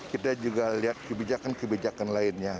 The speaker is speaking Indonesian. kita juga lihat kebijakan kebijakan lainnya